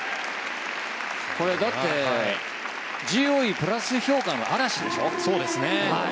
だって、ＧＯＥプラス評価の嵐でしょ。